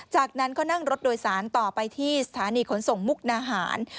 จากนั้นก็นั่งรถโดยสารต่อไปที่สถานีขนส่งมุกนาหาร